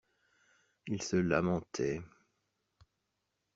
Il se lamentait.